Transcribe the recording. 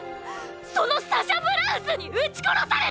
そのサシャ・ブラウスに撃ち殺された！！